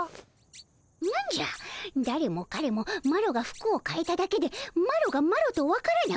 何じゃだれもかれもマロが服をかえただけでマロがマロと分からなくなるとは。